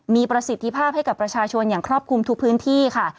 มีประสิทธิภาพให้กับประชาชนอย่างครอบคลุมทุกพื้นที่ค่ะ